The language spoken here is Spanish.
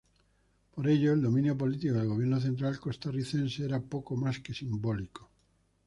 Por ello el dominio político del gobierno central costarricense era poco más que simbólico.